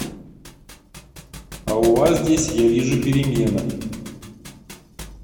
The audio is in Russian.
А у вас здесь, я вижу, перемена.